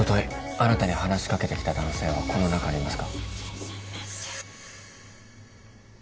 あなたに話しかけてきた男性はこの中にいますか？